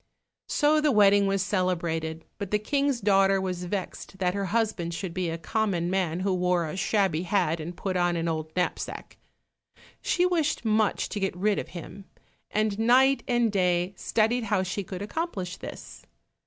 So the wedding was celebrated, but the King's daughter was vexed that her husband should be a common man, who wore a shabby hat, and put on an old knapsack. She wished much to get rid of him, and night and day studied how she could accomplished this.